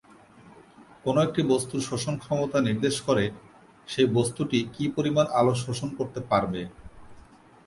কোন একটি বস্তুর শোষণ ক্ষমতা নির্দেশ করে সেই বস্তুটি কি পরিমাণ আলো শোষণ করতে পারবে।